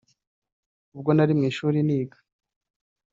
Ubwo nari mu ishuri niga